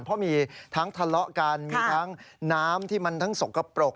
เพราะมีทั้งทะเลาะกันมีทั้งน้ำที่มันทั้งสกปรก